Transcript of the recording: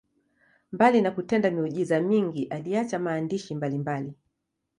Mbali na kutenda miujiza mingi, aliacha maandishi mbalimbali.